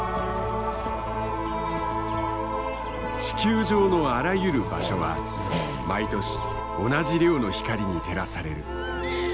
地球上のあらゆる場所は毎年同じ量の光に照らされる。